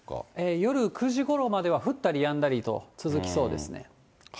夜９時ごろまでは降ったりやんだりと続きそうですね。